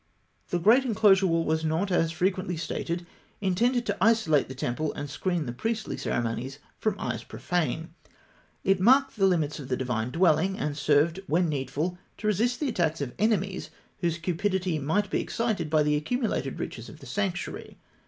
The great enclosure wall was not, as frequently stated, intended to isolate the temple and screen the priestly ceremonies from eyes profane. It marked the limits of the divine dwelling, and served, when needful, to resist the attacks of enemies whose cupidity might be excited by the accumulated riches of the sanctuary.